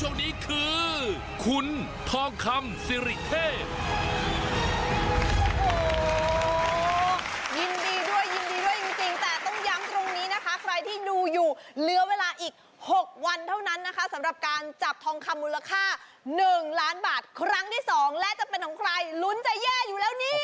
ช่วงนี้คือคุณทองคำสิริเทพยินดีด้วยยินดีด้วยจริงแต่ต้องย้ำตรงนี้นะคะใครที่ดูอยู่เหลือเวลาอีก๖วันเท่านั้นนะคะสำหรับการจับทองคำมูลค่า๑ล้านบาทครั้งที่สองและจะเป็นของใครลุ้นจะแย่อยู่แล้วนี่